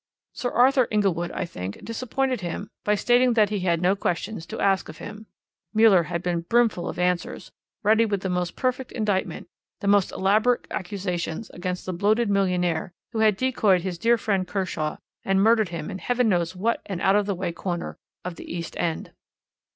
Sir Arthur Inglewood, I think, disappointed him by stating that he had no questions to ask of him. Müller had been brimful of answers, ready with the most perfect indictment, the most elaborate accusations against the bloated millionaire who had decoyed his dear friend Kershaw, and murdered him in Heaven knows what an out of the way corner of the East End.